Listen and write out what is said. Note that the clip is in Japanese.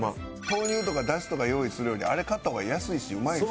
「豆乳とかダシとか用意するよりあれ買った方が安いしうまいし」